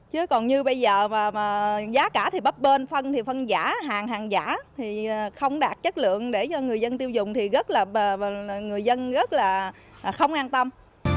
chứ còn như bây giờ mà giá cả thì bấp bên phân thì phân giả hàng hàng giả thì không đạt chất lượng để cho người dân tiêu dùng thì rất là người dân rất là không an tâm